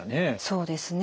そうですね。